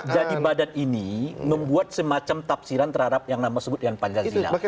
jadi badan ini membuat semacam tafsiran terhadap yang nama sebut yang pancasila